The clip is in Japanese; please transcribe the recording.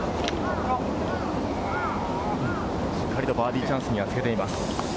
しっかりとバーディーチャンスにはつけています。